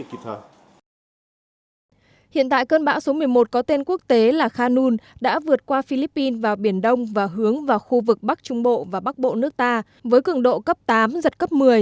hiện tại cơn bão số một mươi một có tên quốc tế là khanun đã vượt qua philippines vào biển đông và hướng vào khu vực bắc trung bộ và bắc bộ nước ta với cường độ cấp tám giật cấp một mươi